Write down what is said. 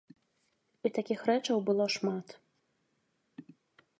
І такіх рэчаў было шмат.